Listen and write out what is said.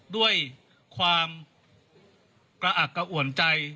ด้วยความกระอักกระอ่วนใจ